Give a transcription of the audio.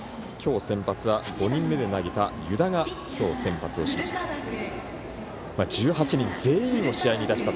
今日先発は５人目で投げた湯田が先発をしました。